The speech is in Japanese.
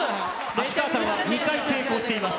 秋川さんは２回成功してます。